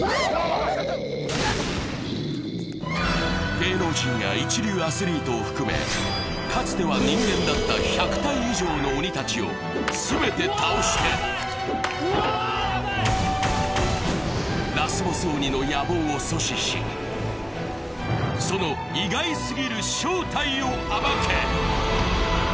芸能人や一流アスリートを含め、かつては人間だった１００体以上の鬼たちを全て倒して、ラスボス鬼の野望を阻止しその意外すぎる正体を暴け！